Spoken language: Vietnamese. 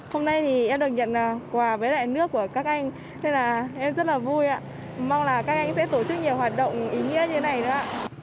hôm nay thì em được nhận quà với lại nước của các anh thế là em rất là vui ạ mong là các anh sẽ tổ chức nhiều hoạt động ý nghĩa như thế này đấy ạ